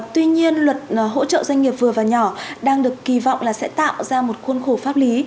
tuy nhiên luật hỗ trợ doanh nghiệp vừa và nhỏ đang được kỳ vọng là sẽ tạo ra một khuôn khổ pháp lý